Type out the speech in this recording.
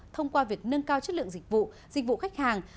thông qua việc nâng cao chất lượng dịch vụ dịch vụ khách hàng